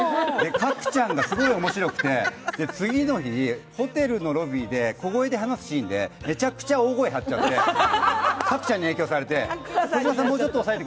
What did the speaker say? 角ちゃんがすごく面白くて、次の日、ホテルのロビーで小声で話すシーンでめちゃくちゃ大声張っちゃって、角ちゃんに影響されちゃって。